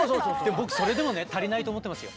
僕それでもね足りないと思ってますよ。